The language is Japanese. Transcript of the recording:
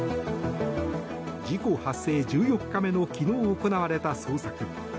事故発生１４日目の昨日行われた捜索。